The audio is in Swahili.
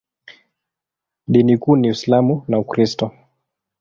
Dini kuu ni Uislamu na Ukristo.